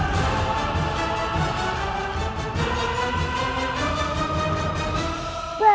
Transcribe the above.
ini mah aneh